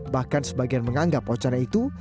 bahkan sebagian menganggap wacana itu